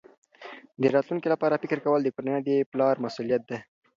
د راتلونکي لپاره فکر کول د کورنۍ د پلار مسؤلیت دی.